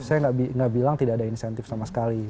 saya tidak bilang tidak ada insentif sama sekali